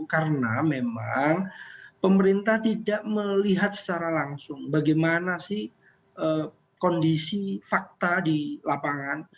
karena memang pemerintah tidak melihat secara langsung bagaimana sih kondisi fakta di lapangan